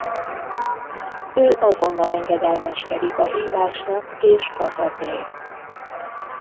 Ő azonnal engedelmeskedik a hívásnak és hazatér.